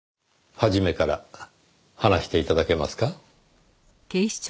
始めから話して頂けますか？